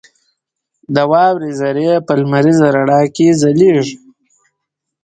• د واورې ذرې په لمریز رڼا کې ځلېږي.